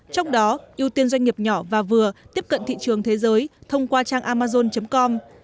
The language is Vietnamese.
trong đó ưu tiên doanh nghiệp nhỏ và vừa tiếp cận thị trường thế giới thông qua trang amazon com